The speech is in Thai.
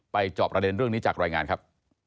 จอบประเด็นเรื่องนี้จากรายงานครับ